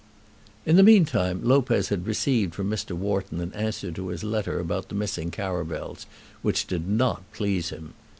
In the meantime Lopez had received from Mr. Wharton an answer to his letter about the missing caravels, which did not please him.